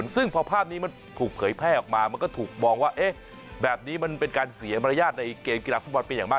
ซึ่งพอภาพนี้มันถูกเผยแพร่ออกมามันก็ถูกมองว่าแบบนี้มันเป็นการเสียมารยาทในเกมกีฬาฟุตบอลเป็นอย่างมาก